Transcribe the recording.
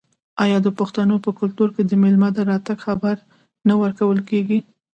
آیا د پښتنو په کلتور کې د میلمه د راتګ خبر نه ورکول کیږي؟